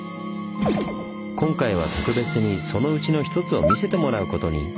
今回は特別にそのうちの一つを見せてもらうことに。